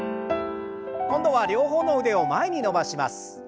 今度は両方の腕を前に伸ばします。